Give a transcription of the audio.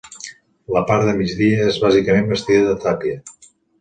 La part de migdia és bàsicament bastida de tàpia.